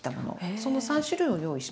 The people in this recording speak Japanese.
その３種類を用意します。